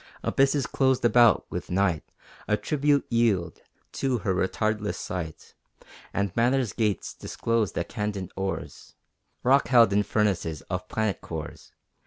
Abysses closed about with night A tribute yield To her retardless sight; And Matter's gates disclose the candent ores Rock held in furnaces of planet cores.